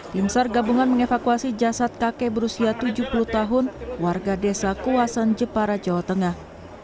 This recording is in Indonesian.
tim sar gabungan mengevakuasi jasad kakek berusia tujuh puluh tahun warga desa kuasan jepara jawa tengah